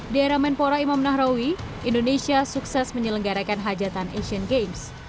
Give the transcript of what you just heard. di era menpora imam nahrawi indonesia sukses menyelenggarakan hajatan asian games